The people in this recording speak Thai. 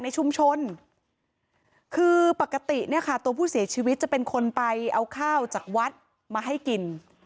ในชุมชนคือปกติเนี่ยค่ะตัวผู้เสียชีวิตจะเป็นคนไปเอาข้าวจากวัดมาให้กิน